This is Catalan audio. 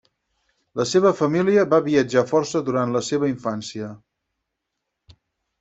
La seva família va viatjar força durant la seva infància.